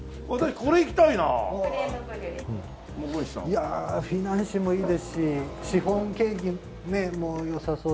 いやフィナンシェもいいですしシフォンケーキもよさそう。